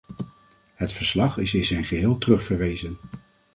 Het verslag is in zijn geheel terugverwezen.